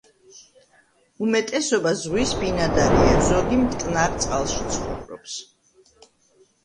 უმეტესობა ზღვის ბინადარია, ზოგი მტკნარ წყალში ცხოვრობს.